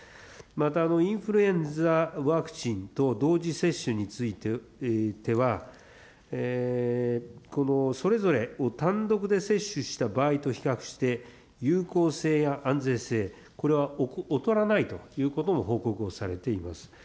また、インフルエンザワクチンと同時接種については、それぞれを単独で接種した場合と比較して、有効性や安全性、これは劣らないということも報告をされています。